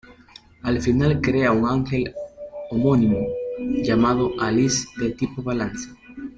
Al final crea un ángel homónimo, llamado Alice de tipo balance.